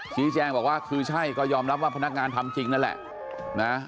ชี้แจงบอกว่าคือใช่ก็ยอมรับว่าพนักงานทำจริงนั่นแหละนะ